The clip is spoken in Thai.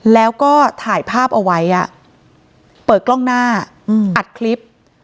แล้วก็ถ่ายภาพเอาไว้เปิดกล้องหน้าอัดคลิป